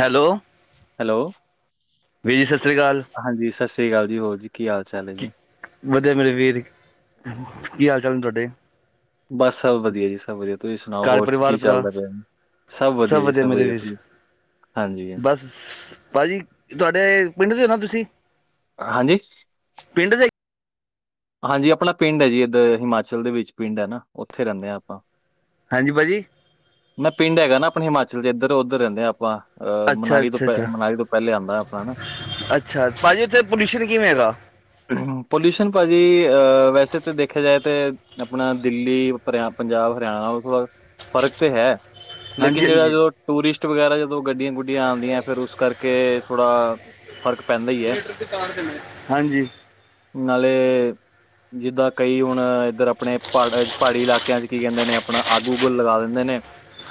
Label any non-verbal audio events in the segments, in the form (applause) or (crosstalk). Hello! Hello, ਵੀਰ ਜੀ ਸਤਿ ਸ਼੍ਰੀ ਅਕਾਲ ਹਾਂਜੀ ਸਤਿ ਸ਼੍ਰੀ ਅਕਾਲ ਜੀ। ਹੋਰ ਜੀ ਕੀ ਹਾਲ ਚਾਲ ਹੈ ਜੀ? ਵਧੀਆ ਮੇਰੇ ਵੀਰ, ਕੀ ਹਾਲ ਚਾਲ ਨੇ ਤੁਹਾਡੇ? ਬਸ ਸਭ ਵਧੀਆ, ਜੀ ਸਭ ਵਧੀਆ। ਤੁਸੀਂ ਸੁਣਾਓ ਘਰ ਹੋਰ ਕੀ ਪਰਿਵਾਰ ਭਰਾ ਚੱਲਦਾ ਪਿਆ? ਸਭ ਵਧੀਆ ਜੀ -ਸਭ ਵਧੀਆ! ਹਾਂਜੀ, ਬਸ, ਭਾਜੀ ਤੁਹਾਡੇ, ਪਿੰਡ ਦੇ ਹੋ ਨਾ ਤੁਸੀਂ? ਹਾਂਜੀ। ਪਿੰਡ ਦੇ? ਹਾਂਜੀ, ਆਪਣਾ ਪਿੰਡ ਹੈ ਜੀ ਇੱਧਰ ਹਿਮਾਚਲ ਦੇ ਵਿੱਚ, ਪਿੰਡ ਹੈ ਨਾ ਉੱਥੇ ਰਹਿੰਦੇ ਹਾਂ ਆਪਾਂ। ਹਾਂਜੀ, ਭਾਜੀ। ਮੇਰਾ ਪਿੰਡ ਹੈਗਾ ਨਾ ਆਪਣੇ ਹਿਮਾਚਲ ਵਿਚ ਇਧਰ, ਉੱਧਰ ਰਹਿੰਦੇ ਆ ਆਪਾਂ। ਅਹ ਅੱਛਾ ਮਨਾਲੀ ਤੋਂ ਅੱਛਾ ਪ ਅੱਛਾ ਮਨਾਲੀ ਤੋਂ ਪੈਲੇ ਆਂਦੈ ਆਪਾ ਨਾ। ਅੱਛਾ ਭਾਜੀ ਉੱਥੇ ਪੋਲਿਊਸ਼ਨ ਕਿਵੇਂ ਹੈਗਾ? ਪੋਲਿਯੂਸ਼ਨ ਭਾਜੀ ਅਹ ਵੈਸੇ ਤੇ ਦੇਖਿਆ ਜਾਏ ਤੇ ਆਪਣਾ ਦਿੱਲੀ ਪੰਜਾਬ ਹਰਿਆਣਾ ਉਹ ਤੋਂ ਬਾਦ ਤੇ ਹੈ, ਹਾਂਜੀ ਲੇਕਿਨ ਜਿਹੜਾ ਹਾਂਜੀ ਜੋ ਟੂਰਿਸ਼ਟ ਵਗੈਰਾ ਜਦੋਂ ਗੱਡੀਆਂ ਗੁੱਡੀਆਂ ਆਂਦੀਐ ਫੇਰ ਉਸ ਕਰਕੇ ਥੋੜਾ ਫਰਕ ਪੈਂਦਾ ਈ ਹਾਂਜੀ। ਨਾਲੇ ਜਿੱਦਾਂ ਕਈ ਹੁਣ ਇੱਧਰ ਆਪਣੇ ਪਾੜਾ ਚ ਪਹਾੜੀ ਇਲਾਕਿਆਂ ਚ ਕੀ ਕਹਿੰਦੇ ਨੇ ਆਪਣਾ ਅੱਗ ਉੱਗ ਲਗਾ ਦੇ ਦੇ ਨੇ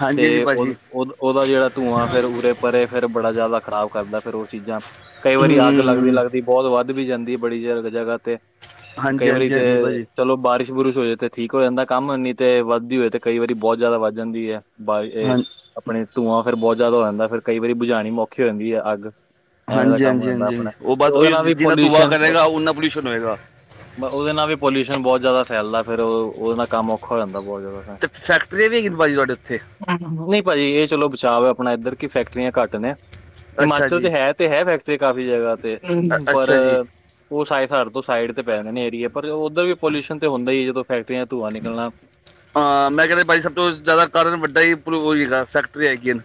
ਹਾਂਜੀ ਹਾਂਜੀ ਤੇ ਉਹ ਭਾਜੀ ਉਹਦਾ ਜਿਹੜਾ ਧੂੰਆਂ ਫੇਰ ਹਮ ਉਰੇ ਪਰੇ ਫੇਰ ਬੜਾ ਜਾਦਾ ਖਰਾਬ ਕਰਦੈ ਫੇਰ ਉਹ ਚੀਜ਼ਾਂ ਕਈ ਵਾਰੀ ਅੱਗ ਲੱਗ ਲੱਗਦੀ ਬੋਤ ਵੱਧ ਵੀ ਜਾਂਦੀ ਏ ਬੜੀ ਜ ਜਗ੍ਹਾ ਤੇ ਹਾਂਜੀ ਕਈ ਵਾਰੀ ਹਾਂਜੀ ਤੇ ਹਾਂਜੀ ਭਾਜੀ ਚਲੋ ਬਾਰਿਸ਼ ਬੁਰਿਸ਼ ਹੋ ਜੇ ਤੇ ਠੀਕ ਹੋ ਜਾਂਦਾ ਕੰਮ, ਨੀ ਤੇ ਵੱਧਦੀ ਹੋਏ ਤੇ ਕਈ ਵਾਰੀ ਬੋਤ ਜਾਦਾ ਵੱਧ ਜਾਂਦੀ ਏ। ਬਾ ਏ ਹਾਂ ਆਪਣੇ ਧੂੰਆਂ ਫੇਰ ਬੋਤ ਜਾਦਾ ਹੋ ਜਾਂਦਾ, ਫੇਰ ਕਈ ਵਾਰੀ ਬੁਝਾਣੀ ਔਖੀ ਹੋ ਜਾਂਦੀ ਐ ਅੱਗ। ਐਵੇਂ ਦਾ ਹਾਂਜੀ ਕੰਮ ਹੋ ਹਾਂਜੀ ਹਾਂਜੀ ਜਾਂਦਾ ਹਾਂਜੀ ਆਪਣਾ, ਉਹ ਤੇ ਬਸ ਉਹ ਉਹਦੇ ਨਾਲ ਵੀ ਜਿੰਨਾ ਧੂੰਆ ਪੋਲਿਊਸ਼ਨ ਕਰੇਗਾ ਉਨਾ ਪੋਲਿਊਸ਼ਨ ਹੋਏਗਾ ਉਹਦੇ ਨਾਲ ਵੀ ਪੋਲਿਯੂਸ਼ਨ ਬੋਤ ਜਾਦਾ ਫੈਲਦਾ ਫੇਰ ਉਹ ਉਹਦੇ ਨਾਲ ਕੰਮ ਔਖਾ ਹੋ ਜਾਂਦਾ ਬਹੁਤ ਜਾਦਾ। ਤੇ ਫੈਕਟਰੀਆਂ ਵੀ ਹੈਗੀ ਭਾਜੀ ਤੁਹਾਡੇ ਉੱਥੇ ਨਈ ਭਾਜੀ ਇਹ ਚਲੋ ਬਚਾਵ ਹੈ ਆਪਣਾ ਇੱਧਰ ਕਿ ਫੈਕਟਰੀਆਂ ਘੱਟ ਨੇ ਅੱਛਾ ਹਿਮਾਚਲ ਤੇ ਜੀ ਹੈ ਤੇ ਹੈ ਫੈਕਟਰੀ ਕਾਫੀ ਜਗ੍ਹਾ ਤੇ ਅ- ਪਰ ਅੱਛਾ ਜੀ ਉਹ ਸਾਏ ਸਰ ਤੋਂ ਸਾਈਡ ਤੇ ਪੈ ਰੇ ਨੇ ਏਰੀਏ, ਪਰ ਉੱਧਰ ਵੀ ਪੋਲਿਯੂਸ਼ਨ ਤੇ ਹੁੰਦਾ ਈ ਏ, ਜਦੋਂ ਫੈਕਟਰੀਆਂ ਧੂੰਆਂ ਨਿਕਲਣਾ ਹਾਂ! ਮੈਂ ਕਹਿਆ ਭਾਜੀ ਸਭ ਤੋਂ ਜਾਦਾ ਕਾਰਨ ਵੱਡਾ ਐਈ ਹੈਗਾ ਫੈਕਟਰੀਆਂ ਹੈਗੀਆਂ ਨੇ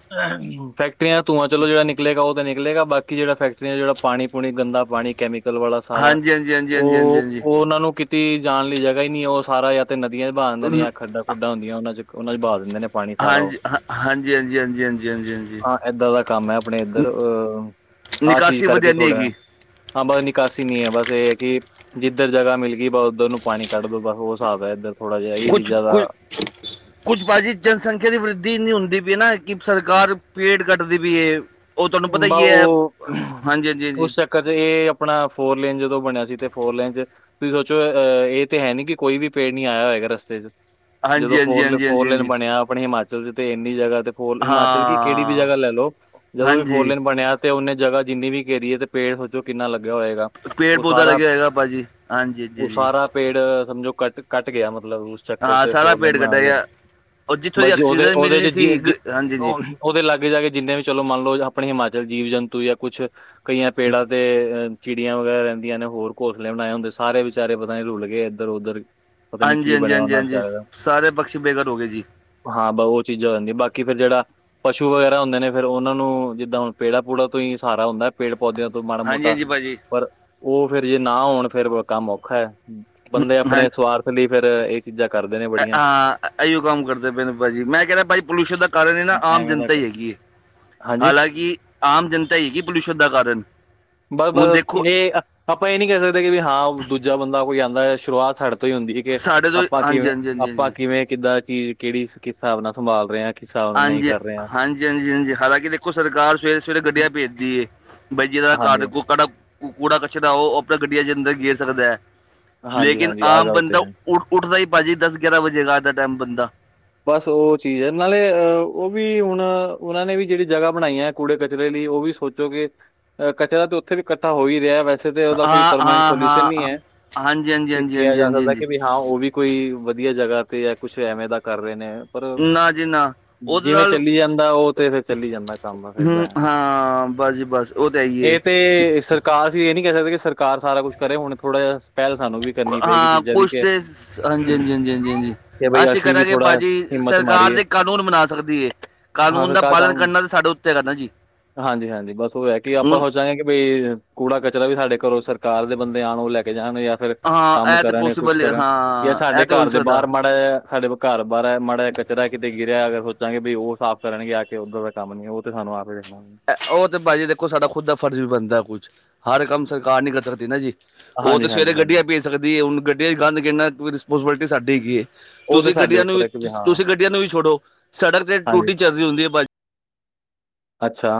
ਫੈਕਟਰੀਆਂ ਧੂੰਆਂ ਚਲੋ ਜਿਹੜਾ ਨਿਕਲਿਆ ਈ ਬੋਤ ਨਿਕਲੇਗਾ ਬਾਕੀ ਜਿਹੜਾ ਫੈਕਟਰੀਆਂ ਜਿਹੜਾ ਪਾਣੀ ਪੁਣੀ ਗੰਦਾ ਪਾਣੀ ਕੈਮੀਕਲ ਵਾਲਾ ਸਾਰਾ, ਹਾਂਜੀ ਹਾਂਜੀ ਹਾਂਜੀ ਹਾਂਜੀ ਹਾਂਜੀ ਉਹ ਹਾਂਜੀ ਉਹਨਾਂ ਨੂੰ ਕਿਤੇ ਜਾਣ ਲਈ ਜਗ੍ਹਾ ਈ ਨੀ ਉਹ ਸਾਰਾ ਤੇ ਨਦੀਆਂ ਚ ਬਹਾ ਦਿੰਦੇ ਨੇ ਨ- ਜਾਂ ਖੱਡਾਂ ਖੁਂਡਾ ਹੁੰਦੀਆਂ ਉਹਨਾਂ ਚ ਉਹਨਾ ਚ ਬਹਾ ਦਿੰਦੇ ਨੇ ਪਾਣੀ ਸਾਰਾ ਉਹ ਹਾਂਜੀ ਹਾਂ- ਹਾਂਜੀ -ਹਾਂਜੀ -ਹਾਂਜੀ -ਹਾਂਜੀ- ਹਾਂਜੀ ਹਾਂ ਏਦਾਂ ਦਾ ਕੰਮ ਐ ਆਪਣੇ ਨ- ਇੱਧਰ, ਅਹ ਆਹ ਚੀਜ਼ ਨਿਕਾਸੀ ਕਰਕੇ ਵਧੀਆ ਨਹੀਂ ਥੋੜ੍ਹਾ ਹੈਗੀ ਹਾਂ ਬਸ ਨਿਕਾਸੀ ਨੀ ਐ ਬਸ ਇਹ ਹੈ ਕਿ ਜਿੱਧਰ ਜਗ੍ਹਾ ਮਿਲ ਗੀ ਬਸ ਉੱਧਰ ਨੂੰ ਪਾਣੀ ਕੱਢ ਲੋ, ਬਸ ਉਹ ਸਾਬ ਹੈ ਇੱਧਰ ਥੋੜਾ ਜਿਹਾ ਇਹ ਕੁਛ ਚੀਜ਼ਾਂ ਕੁ (inaudible) ਕੁੱਝ ਭਾਜੀ ਜਨਸੰਖਿਆ ਦੀ ਵਰਿਧੀ ਇੰਨੀ ਹੁੰਦੀ ਪੀ ਏ ਨਾ ਕਿ ਸਰਕਾਰ ਪੇੜ ਕੱਟਦੀ ਪੀ ਏ। ਉਹ ਤੁਹਾਨੂੰ ਪਤਾ ਬਾ ਈ ਏ ਹਾਂਜੀ -ਹਾਂਜੀ -ਹਾਂਜੀ! ਕਦੇ ਇਹ ਆਪਣਾ ਫੋਰ ਲੇਨ ਜਦੋਂ ਬਣਿਆ ਸੀ ਤੇ ਫੋਰ ਲੇਨ ਚ ਤੁਸੀਂ ਸੋਚੋ, ਅਹ ਇਹ ਤੇ ਹੈ ਨੀ ਕਿ ਕੋਈ ਵੀ ਪੇੜ ਨੀ ਆਇਆ ਹੋਏਗਾ ਰਸਤੇ ਚ ਜਦੋਂ ਹਾਂਜੀ ਹਾਂਜੀ ਫੋਰ ਹਾਂਜੀ ਹਾਂਜੀ ਫੋਰਲੇਨ ਹਾਂਜੀ ਬਣਿਆ ਆਪਣੇ ਹਿਮਾਚਲ ਤੇ ਇੰਨੀ ਜਗ੍ਹਾ ਤੇ ਫੋਰ ਹਿਮਾਚਲ ਦੀ ਕਿਹੜੀ ਵੀ ਹਾਂ ਜਗ੍ਹਾ ਲੈ ਲੋ ਜਦੋਂ ਵੀ ਹਾਂਜੀ ਫੋਰਲੇਨ ਬਣਿਆ ਤੇ ਉਹਨੇ ਜਗ੍ਹਾ ਜਿੰਨੀ ਵੀ ਘੇਰੀਏ ਤੇ ਪੇੜ ਸੋਚੋ ਕਿੰਨਾ ਲੱਗਿਆ ਹੋਏਗਾ। ਪੇੜ ਉਹ ਪੌਦਾ ਸਾਰਾ ਲੱਗਿਆ ਹੈਗਾ ਭਾਜੀ ਹਾਂਜੀ ਉਹ ਜੀ। ਸਾਰਾ ਪੇੜ ਸਮਝੋ ਕੱਟ ਕੱਟ ਗਿਆ ਮਤਲਬ ਉਸ ਚੱਕਰ ਹਾਂ ਚ ਸਾਰਾ ਫੋਰ ਲੇਨ ਪੇੜ ਕੱਟਿਆ ਬਣਾਇਆ ਜੇ ਗਿਆ ਔਰ ਜਿੱਥੋਂ ਦੀ ਬਸ ਜੀ ਉਹਦੇ ਆਕਸੀਜਨ ਉਹਦੇ ਮਿਲਣੀ ਸੀ ਚ ਗ- ਹਾਂਜੀ ਜੀ ਉਹਦੇ ਲਾਗੇ ਜਾ ਕੇ ਜਿੰਨੇ ਵੀ ਚਲੋ ਮੰਨ ਲੋ ਆਪਣੇ ਹਿਮਾਚਲ ਜੀਵ ਜੰਤੂ ਯਾ ਕੁਛ ਕਈਆਂ ਪੇੜਾਂ ਦੇ ਅ ਚਿੜੀਆਂ ਵਗੈਰਾ ਰਹਿੰਦੀਆਂ ਨੇ ਹੋਰ ਘੋਸਲੇ ਬਣਾਏ ਹੁੰਦੇ ਸਾਰੇ ਵਿਚਾਰੇ ਪਤਾ ਨੀ ਰੁਲ ਗਏ ਇੱਧਰ ਉੱਧਰ। ਹਾਂਜੀ, ਹਾਂਜੀ, ਹਾਂਜੀ, ਹਾਂਜੀ ਸਾਰੇ ਪਕਸ਼ੀ ਬੇਘਰ ਹੋ ਗੇ ਜੀ। ਹਾਂ ਬ ਓ ਚੀਜ਼ਾਂ ਹੋ ਜਾਂਦੀਆਂ ਬਾਕੀ ਫਿਰ ਜੇੜਾ ਪਸ਼ੂ ਵਗੈਰਾ ਹੁੰਦੇ ਨੇ ਫਿਰ ਓਨਾਂ ਨੂੰ ਨੂੰ ਜਿੱਦਾਂ ਹੁਨ ਪੇੜਾ ਪੂੜਾ ਤੋਂ ਈ ਸਾਰਾ ਹੁੰਦਾ ਐ ਪੇੜ ਪੌਦਿਆਂ ਤੋਂ ਮਾੜਾ ਹਾਂਜੀ ਮੋਟਾ ਹਾਂਜੀ ਭਾਜੀ ਪਰ ਓ ਫੇਰ ਜੇ ਨਾ ਹੋਨ ਫੇਰ ਕੰਮ ਔਖਾ ਐ, ਬੰਦੇ ਅਪਣੇ ਸਵਾਰਥ ਲਈ ਫੇਰ ਇੱਕ ਚੀਜ਼ਾਂ ਕਰਦੇ ਨੇ। ਐ ਬੜੀਆਂ ਆਂ ਅਈਓ ਕੰਮ ਕਰਦੇ ਪਏ ਨੇ ਭਾਜੀ ਮੈਂ ਕੈਂਦਾ ਭਾਜੀ ਪੋਲਿਊਸ਼ਨ ਦਾ ਕਾਰਨ ਈ ਨਾ ਹਾਂ ਆਮ ਐਵੇਂ ਦਾ ਜਨਤਾ ਹੀ ਹੈਗੀ ਏ। (inaudible) ਹਾਲਾਂਕਿ ਆਮ ਜਨਤਾ ਈ ਹੈਗੀ ਪੋਲਿਊਸ਼ਨ ਦਾ ਕਾਰਨ। ਹੁਣ ਬਸ-ਬਸ ਦੇਖੋ ਏ ਆਪਾਂ ਏ ਨੀ ਕੈ ਸਕਦੇ ਕਿ ਵੀ ਹਾਂ ਦੂਜਾ ਬੰਦਾ ਕੋਈ ਆਂਦਾ ਸ਼ੁਰੂਆਤ ਸਾਡੇ ਤੋਂ ਈ ਹੁੰਦੀ ਕੇ ਸਾਡੇ ਤੋਂ ਆਪਾਂ ਹਾਂਜੀ ਕਿਵੇਂ ਹਾਂਜੀ ਹਾਂਜੀ ਆਪਾਂ ਹਾਂਜੀ ਕਿਵੇਂ ਕਿੱਦਾਂ ਚੀਜ਼ ਕੇੜੀ ਕਿਸ ਹਿਸਾਬ ਨਾਲ ਸੰਭਾਲ ਰੇ ਆਂ। ਹਾਂਜੀ, ਹਾਂਜੀ, ਹਾਂਜੀ, ਹਾਂਜੀ ਹਾਲਾਂਕਿ ਦੇਖੋ ਸਰਕਾਰ ਸਵੇਰੇ-ਸਵੇਰੇ ਗੱਡੀਆਂ ਭੇਜਦੀ ਏ। ਬਾਈ ਜਿਦਾ ਹਾਂਜੀ ਘਰ ਕੜਾ ਕੂੜਾ ਕਚਰਾ ਓ ਅਪਨੇ ਗੱਡੀਆਂ ਦੇ ਅੰਦਰ ਗੇਰ ਸਕਦਾ ਐ। ਹਾਂਜੀ ਲੇਕਿਨ ਹਾਂਜੀ ਆਹ ਆਮ ਗੱਲ ਤੇ ਬੰਦਾ ਹੈ ਉੱਠ ਉੱਠਦਾ ਈ ਭਾਜੀ ਦੱਸ ਗਿਆਰਾਂ ਵੱਜੇ ਅੱਜ ਦਾ ਟਾਈਮ ਬੰਦਾ। ਬਸ ਓ ਚੀਜ਼ ਐ ਨਾਲੇ ਅਹ ਓ ਵੀ ਹੁਣ ਓਨਾਂ ਨੇ ਵੀ ਜੇੜੀ ਜਗ੍ਹਾ ਬਣਾਈ ਐ ਕੂੜੇ ਕਚਰੇ ਲਈ ਓ ਵੀ ਸੋਚ ਚੋਗੇ ਅ ਕਚਰਾ ਤੇ ਓਥੇ ਵੀ ਕੱਠਾ ਹੋ ਈ ਰਯਾ ਵੈਸੇ। ਤੇ ਓਦਾ ਕੋਈ ਹਾਂ ਪਰਮਾਨੈਂਟ ਹਾਂ ਸੋਲਿਊਸ਼ਨ ਨਈ ਹਾਂ ਐ ਹਾਂਜੀ ਹਾਂਜੀ ਤੇ ਹਾਂਜੀ ਕੇਆ ਹਾਂਜੀ ਜਾ ਹਾਂਜੀ ਸਕਦਾ ਹਾਂਜੀ ਕਿ ਵੀ ਹਾਂ ਓ ਵੀ ਕੋਈ ਵਦੀਆ ਜਗ੍ਹਾ ਤੇ ਯਾ ਕੁਛ ਐਵੇਂ ਦਾ ਕਰ ਰੇ ਨੇ। ਪਰ ਨਾ ਜੀ ਨਾ ਉਹਦੇ ਜਿਵੇਂ ਨਾਲ ਚੱਲੀ ਜਾਂਦਾ ਓ ਤੇ ਫਿਰ ਚੱਲੀ ਜਾਂਦਾ ਕੰਮ। ਹੂੰ, ਏਦਾਂ ਹੈ ਹਾਂ ਬਸ ਜੀ ਬਸ ਓ ਤੇ ਹੈ ਈ ਏ। ਇਹ ਤੇ ਸਰਕਾਰ ਅਸੀਂ ਏ ਨੀ ਕੈ ਸਕਦੇ ਕਿ ਸਰਕਾਰ ਸਾਰਾ ਕੁਛ ਕਰੇ ਹੁਨ ਥੋੜ੍ਹਾ ਜਾ ਪੈਲ ਸਾਨੂੰ ਵੀ ਕਰਨੀ ਪਏਗੀ ਹਾਂ, ਚੀਜ਼ਾਂ ਦੀ ਕੁਛ ਕਿ ਤੇ ਹਾਂਜੀ, ਹਾਂਜੀ, ਹਾਂਜੀ, ਹਾਂਜੀ, ਹਾਂਜੀ ਕਿ ਬਈ ਅਸੀਂ ਵੀ ਕਰਾਂਗੇ ਥੋੜਾ ਭਾਜੀ ਹਿੰਮਤ ਸਰਕਾਰ ਮਾਰੀਏ ਤੇ ਕਾਨੂੰਨ ਬਨਾ ਸਕਦੀ ਏ, ਕਾਨੂੰਨ ਦਾ ਪਾਲਨ ਕਰਨਾ ਤੇ ਸਾਡੇ ਉੱਤੇ ਹੈਗਾ ਨਾ ਜੀ। ਹਾਂਜੀ-ਹਾਂਜੀ ਬਸ ਓ ਹੈ ਕਿ ਆਪਾਂ ਹੁਣ ਸੋਚ ਚਾਂਗੇ ਕਿ ਬਈ ਕੂੜਾ ਕਚਰਾ ਵੀ ਸਾਡੇ ਘਰੋਂ ਸਰਕਾਰ ਦੇ ਬੰਦੇ ਆਣ ਓ ਲੈ ਕੇ ਜਾਣ ਏ ਫਿਰ ਹਾਂ ਕੰਮ ਇਹ ਤੇ ਕਰਨ ਯਾ ਕੁਛ ਪੋਸੀਬਲ ਕਰਨ ਜਾਂ ਹਾਂ ਇਹ ਸਾਡੇ ਤੇ ਹੋ ਘਰ ਨਹੀਂ ਦੇ ਸਕਦਾ ਬਾਰ ਮਾੜਾ ਜਾ ਸਾਡੇ ਘਰ ਬਾਰ ਮਾੜਾ ਕਚਰਾ ਕਿਤੇ ਗਿਰਯਾ ਅਗਰ ਸੋਚਾਂਗੇ ਵੀ ਓ ਸਾਫ਼ ਕਰਨਗੇ ਆ ਕੇ ਓਦਾਂ ਦਾ ਕੰਮ ਨੀ, ਓ ਤੇ ਸਾਨੂੰ ਆਪ ਈ (unintelligible) ਓ ਤੇ ਭਾਜੀ ਦੇਖੋ ਸਾਡਾ ਖੁਦ ਦਾ ਫਰਜ਼ ਵੀ ਬਨਦਾ ਕੁਛ, ਹਰ ਕੰਮ ਸਰਕਾਰ ਨੀ ਕਰ ਸਕਦੀ ਨਾ ਜੀ। ਓ ਹਾਂਜੀ ਤੇ ਸਵੇਰੇ ਹਾਂਜੀ ਹਾਂਜੀ ਗੱਡੀਆਂ ਭੇਜ ਸਕਦੀ ਏ ਹੁਨ ਗੱਡੀਆਂ ਚ ਗੰਦ ਗੇਰਨਾ ਰਿਸਪੋਂਸੀਬਿਲਿਟੀ ਸਾਡੀ ਹੈਗੀ ਏ। ਉਹ ਤੇ ਤੁਸੀਂ ਸਾਡੇ ਗੱਡੀਆਂ ਨੂੰ ਉੱਪਰ ਵੀ, ਹੈ ਕਿ ਹਾਂ ਤੁਸੀਂ ਗੱਡੀਆਂ ਨੂੰ ਵੀ ਛੋੜੋ ਸੜਕ ਤੇ ਹਾਂਜੀ ਟੂਟੀ ਚੱਲ ਰੀ ਹੁੰਦੀ ਐ ਭਾਜੀ। ਅੱਛਾ‌।